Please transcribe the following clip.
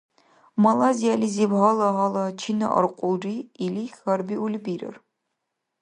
Малайзиялизиб гьала-гьала «Чина аркьулри?» или хьарбиули бирар.